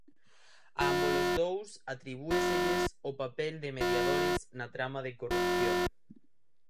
A ambos os dous atribúeselles o papel de mediadores na trama de corrupción.